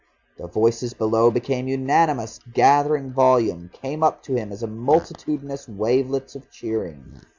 The voices below became unanimous, gathered volume, came up to him as multitudinous wavelets of cheering.